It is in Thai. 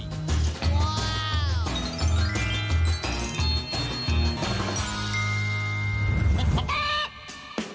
ว้าว